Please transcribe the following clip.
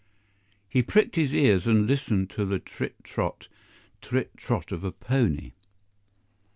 He pricked his ears and listened to the trit trot, trit trot of a pony.